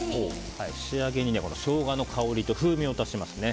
仕上げにショウガの香りと風味を足しますね。